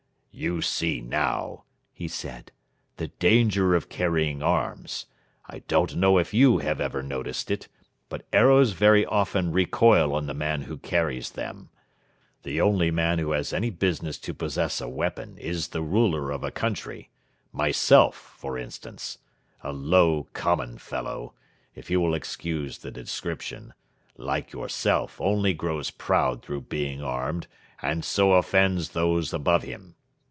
"You see now," he said, "the danger of carrying arms. I don't know if you have ever noticed it, but arrows very often recoil on the man who carries them. The only man who has any business to possess a weapon is the ruler of a country myself, for instance. A low, common fellow if you will excuse the description like yourself only grows proud through being armed, and so offends those above him.